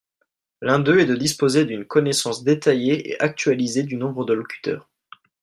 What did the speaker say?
L’un d’eux est de disposer d’une connaissance détaillée et actualisée du nombre de locuteurs.